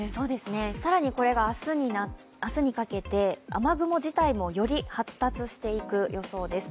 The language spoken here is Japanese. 更にこれが明日にかけて雨雲自体もより発達していく予想です。